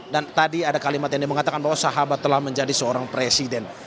dan tadi ada kalimat yang dia mengatakan bahwa sahabat telah menjadi seorang presiden